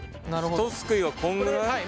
ひとすくいはこんぐらい？